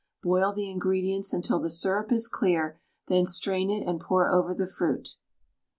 Boil the ingredients until the syrup is clear, then strain it and pour over the fruit.